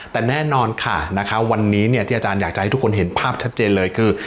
แต่แน่นอนค่ะนะคะวันนี้เนี่ยที่อาจารย์อยากจะให้ทุกคนเห็นภาพชัดเจนเลยคือ